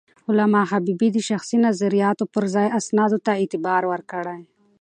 علامه حبيبي د شخصي نظریاتو پر ځای اسنادو ته اعتبار ورکړی.